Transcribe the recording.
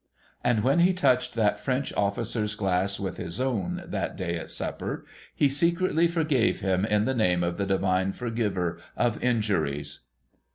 And when he touched that French officer's glass with his own, that day at dinner, he secretly forgave him in the name of the Divine Forgiver of injuries.